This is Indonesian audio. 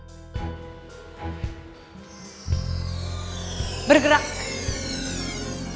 apa yang diregukannya